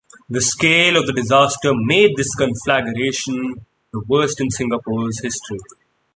The scale of the disaster made this conflagration the worst in Singapore's history.